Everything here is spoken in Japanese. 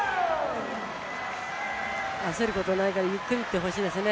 焦ることないからゆっくり行ってほしいですね。